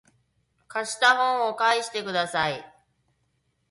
貸した本を返してください